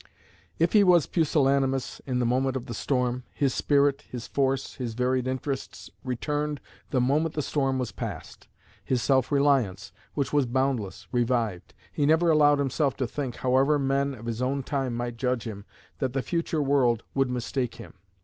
If he was pusillanimous in the moment of the storm, his spirit, his force, his varied interests, returned the moment the storm was past. His self reliance, which was boundless, revived. He never allowed himself to think, however men of his own time might judge him, that the future world would mistake him.